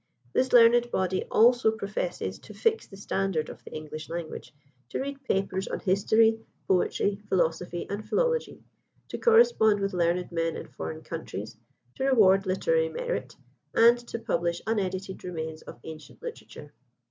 This learned body also professes to fix the standard of the English language; to read papers on history, poetry, philosophy, and philology; to correspond with learned men in foreign countries; to reward literary merit; and to publish unedited remains of ancient literature.